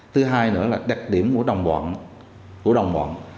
thứ hai nữa là đặc điểm của đồng bọn